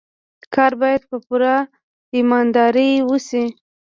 کار باید په پوره ایماندارۍ وشي.